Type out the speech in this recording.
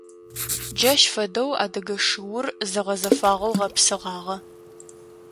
Джащ фэдэу адыгэ шыур зэгъэзэфагъэу гъэпсыгъагъэ.